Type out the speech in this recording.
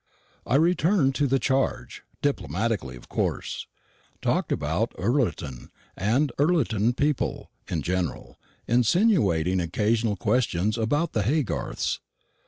I returned to the charge diplomatically, of course; talked about Ullerton and Ullerton people in general, insinuating occasional questions about the Haygarths.